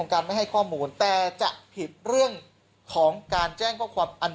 การไม่ให้ข้อมูลแต่จะผิดเรื่องของการแจ้งข้อความอัน